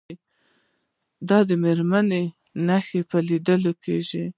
د مرمیو نښې په کې لیدل کېږي.